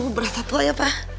aduh beratat lo ya pak